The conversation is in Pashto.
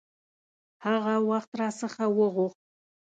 هغه وخت را څخه وغوښت.